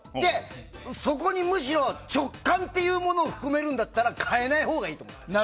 そこにむしろ直感というものを含めるんだったら変えないほうがいいと思ってる。